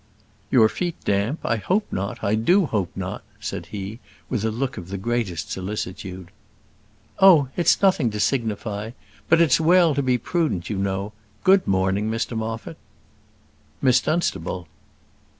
"Your feet damp? I hope not: I do hope not," said he, with a look of the greatest solicitude. "Oh! it's nothing to signify; but it's well to be prudent, you know. Good morning, Mr Moffat." "Miss Dunstable!"